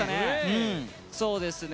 そうですね。